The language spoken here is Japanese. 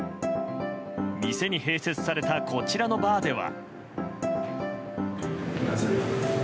店に併設されたこちらのバーでは。